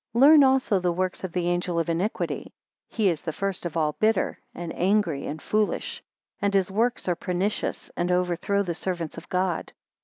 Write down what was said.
11 Learn also the works of the angel of iniquity. He is first of all bitter, and angry, and foolish; and his works are pernicious, and overthrow the servants of God.